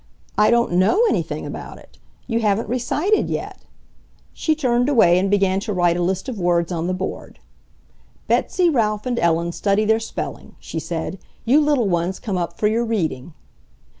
I don't KNOW anything about it! You haven't recited yet." She turned away and began to write a list of words on the board. "Betsy, Ralph, and Ellen study their spelling," she said. "You little ones come up for your reading."